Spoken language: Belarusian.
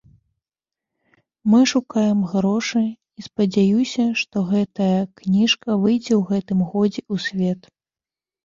Мы шукаем грошы, і спадзяюся, што гэтая кніжка выйдзе у гэтым годзе у свет.